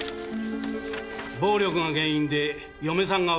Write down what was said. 暴力が原因で嫁さんが別れたいと。